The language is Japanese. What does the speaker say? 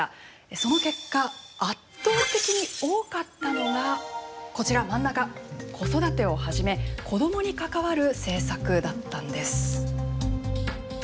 その結果圧倒的に多かったのがこちら真ん中子育てをはじめ子どもに関わる政策だったんです。